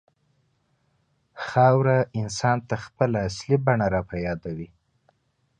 خاوره انسان ته خپله اصلي بڼه راپه یادوي.